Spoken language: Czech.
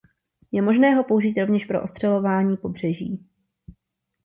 Je možné ho použít rovněž pro ostřelování pobřeží.